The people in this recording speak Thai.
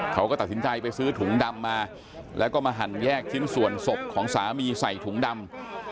เขาก็ตัดสินใจไปซื้อถุงดำมาแล้วก็มาหั่นแยกชิ้นส่วนศพของสามีใส่ถุงดำ